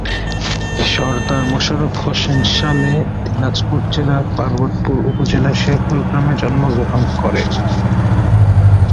সরদার মোশারফ হোসেন সালে দিনাজপুর জেলার পার্বতীপুর উপজেলার শেরপুর গ্রামে জন্মগ্রহণ করেন।